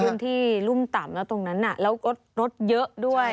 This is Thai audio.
พื้นที่รุ่มต่ำแล้วตรงนั้นแล้วรถเยอะด้วย